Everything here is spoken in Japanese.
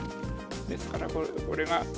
ですからこれが。